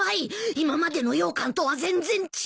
今までのようかんとは全然違う！